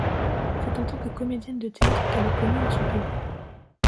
C'est en tant que comédienne de théâtre qu'elle est connue dans son pays.